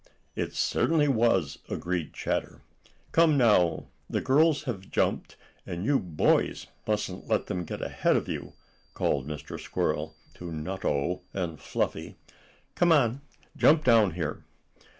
"It certainly was," agreed Chatter. "Come now! The girls have jumped, and you boys mustn't let them get ahead of you!" called Mr. Squirrel, to Nutto and Fluffy. "Come on, jump down here."